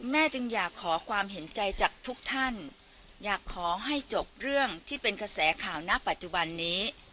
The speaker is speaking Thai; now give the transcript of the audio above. จึงอยากขอความเห็นใจจากทุกท่านอยากขอให้จบเรื่องที่เป็นกระแสข่าวณปัจจุบันนี้